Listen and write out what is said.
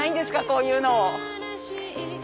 こういうのを。